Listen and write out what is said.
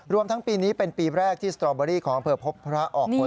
ทั้งปีนี้เป็นปีแรกที่สตรอเบอรี่ของอำเภอพบพระออกผล